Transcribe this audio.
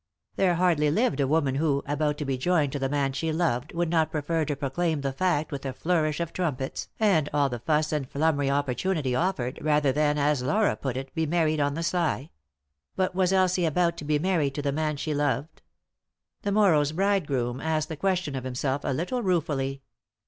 There hardly lived a woman who, about to be joined to the man she loved, would not prefer to proclaim the fact with a flourish of trumpets, and all the fuss and flummery opportunity offered, rather than, as Laura put it, be married on the sly. But was Elsie about to be married to the man she loved 1 The morrow's bridegroom asked the question of himself a little ruefully.